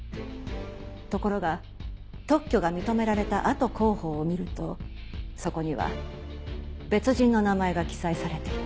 ところが特許が認められた後公報を見るとそこには別人の名前が記載されていた。